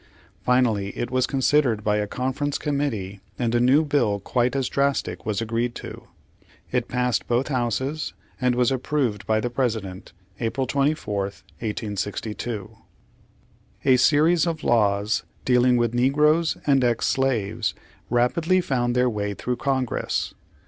Finally it was considered by a conference committee, and a new bill quite as drastic was agreed to. It passed both Houses, and was approved by the President, April 24, 1862. Page Fifty nine A series of laws dealing with negroes and ex slaves rapidly found their way through Congress.